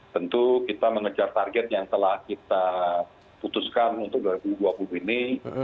tentu kita mengejar target yang telah kita putuskan untuk dua ribu dua puluh ini